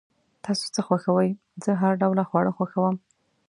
تاسو څه خوښوئ؟ زه هر ډوله خواړه خوښوم